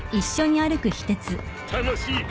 楽しいか？